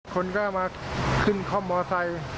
คนก็มาขึ้นข้อมอเมอร์ไซค์